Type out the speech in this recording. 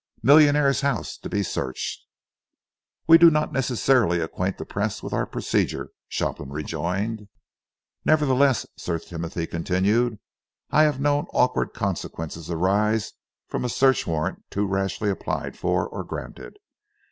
MILLIONAIRE'S HOUSE TO BE SEARCHED.'" "We do not necessarily acquaint the press with our procedure," Shopland rejoined. "Nevertheless," Sir Timothy continued, "I have known awkward consequences arise from a search warrant too rashly applied for or granted.